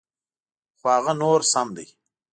خو هغه نور سم دي.